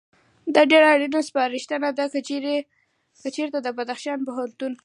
دا ډېره اړینه سپارښتنه ده، که چېرته د بدخشان د پوهنتون